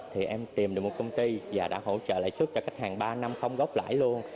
thì em tìm được một công ty và đã hỗ trợ lãi xuất cho khách hàng ba năm không gốc lãi luôn